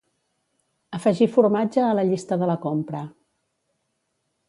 Afegir formatge a la llista de la compra.